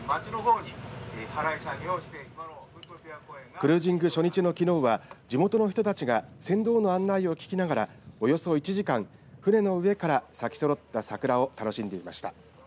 クルージング初日のきのうは地元の人たちが船頭の案内を聞きながらおよそ１時間船の上から咲きそろった桜を楽しんでいました。